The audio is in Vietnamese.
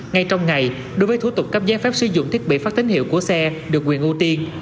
ngay trong ngày đối với thủ tục cấp giấy phép sử dụng thiết bị phát tín hiệu của xe được quyền ưu tiên